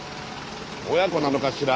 親子なのかしら？